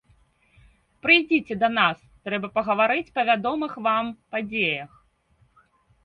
Прыйдзіце да нас, трэба пагаварыць па вядомых вам падзеях.